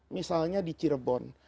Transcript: misalnya di cirebon